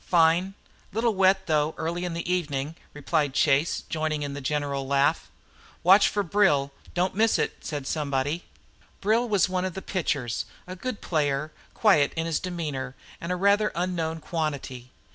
"Fine. Little wet, though, early in the evening," replied Chase, joining in the general laugh. "Watch for Brill. Don't miss it," said somebody. Brill was one of the pitchers, a good player, quiet in his demeanor, and rather an unknown quantity.